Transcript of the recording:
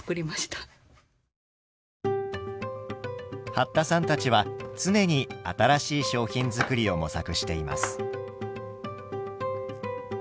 八田さんたちは常に新しい商品作りを模索しています。